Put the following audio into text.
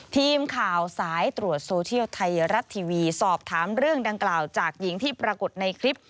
ทีมข่าวสายตรวจโซเชียลไทยรัฐทีวีสอบถามเรื่องดังกล่าวจากหญิงที่ปรากฏในคลิป